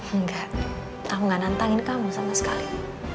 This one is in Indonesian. enggak aku gak nantangin kamu sama sekali